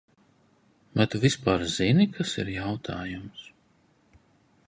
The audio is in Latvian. Vai tu vispār zini, kas ir jautājums?